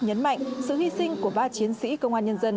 nhấn mạnh sự hy sinh của ba chiến sĩ công an nhân dân